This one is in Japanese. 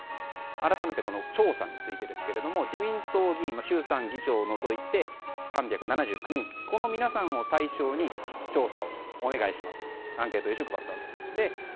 改めて調査についてですが自民党議員、衆参議長を除いて３７９人の皆さんを対象に調査をお願いしますとアンケート用紙を配ったわけです。